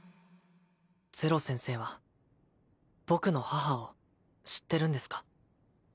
ゼロ先生は僕の母を知ってるんですか？